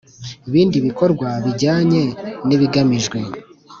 Bindi bikorwa bijyanye n ibigamijwe